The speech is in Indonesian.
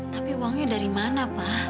tapi uangnya dari mana pak